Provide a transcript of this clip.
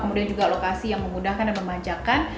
kemudian juga lokasi yang memudahkan dan memanjakan